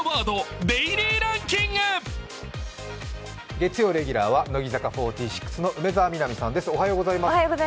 月曜レギュラーは乃木坂４６の梅澤美波さんです。